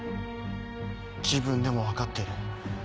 自分でも分かってる。